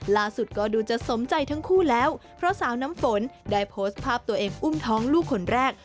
ล่าสุดก็ดูจะสมใจทั้งคู่แล้วเพราะสาวน้ำฝนได้โพสต์ภาพตัวเองอุ้มท้องลูกคนแรก